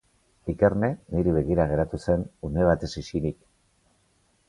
Ikerne niri begira geratu zen une batez isilik.